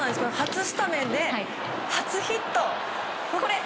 初スタメンで初ヒット！